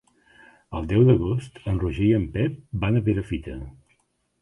El deu d'agost en Roger i en Pep van a Perafita.